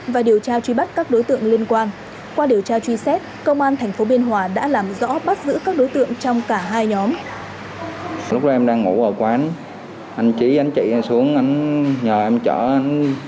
và điều tra truy bắt các đối tượng liên quan qua điều tra truy xét công an tp biên hòa đã làm rõ bắt giữ các đối tượng trong cả hai nhóm